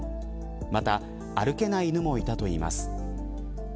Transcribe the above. また歩けない犬もいたといいます。